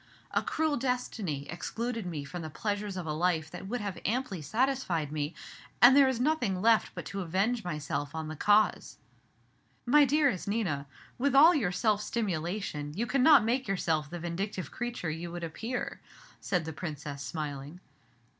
A cruel destiny excluded me from the pleasures of a life that would have amply satisfied me, and there is nothing left but to avenge myself on the cause." "My dearest Nina, with all your self stimulation you cannot make yourself the vindictive creature you would appear," said the Princess, smiling.